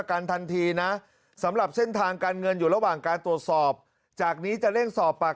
การตรวจสอบ